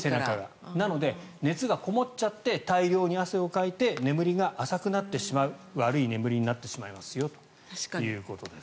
なので、熱がこもっちゃって大量に汗をかいて眠りが浅くなってしまう悪い眠りになってしまいますよということです。